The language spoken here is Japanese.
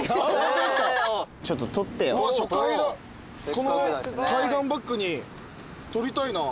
この海岸をバックに撮りたいな。